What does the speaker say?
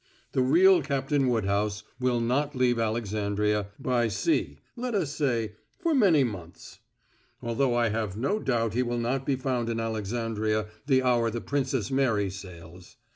The real Captain Woodhouse will not leave Alexandria by sea, let us say for many months. Although I have no doubt he will not be found in Alexandria the hour the Princess Mary sails.